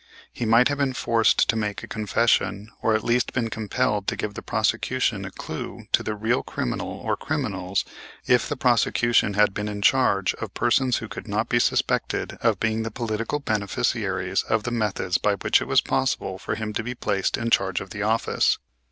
He might have been forced to make a confession, or at least been compelled to give the prosecution a clue to the real criminal or criminals if the prosecution had been in charge of persons who could not be suspected of being the political beneficiaries of the methods by which it was possible for him to be placed in charge of the office.